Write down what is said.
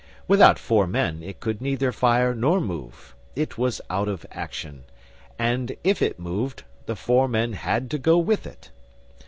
Without four men it could neither fire nor move it was out of action; and if it moved, the four men had to go with it.